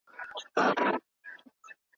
پروفیسور نګ منلې، اولو لیدل ستونزمن دي.